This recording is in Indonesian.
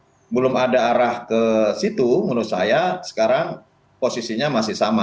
kalau belum ada arah ke situ menurut saya sekarang posisinya masih sama